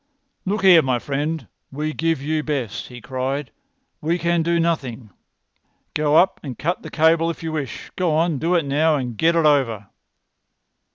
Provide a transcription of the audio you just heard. "Look here, my friend! We give you best!" he cried. "We can do nothing. Go up and cut the cable if you wish. Go on—do it now, and get it over!"